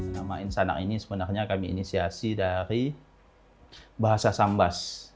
nama insanak ini sebenarnya kami inisiasi dari bahasa sambas